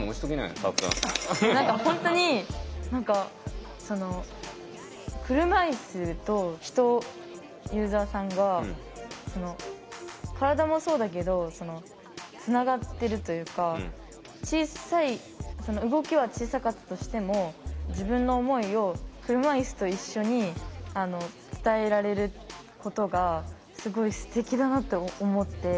何か本当に何かその車いすと人ユーザーさんが体もそうだけどつながってるというか小さい動きは小さかったとしても自分の思いを車いすと一緒に伝えられることがすごいすてきだなって思って。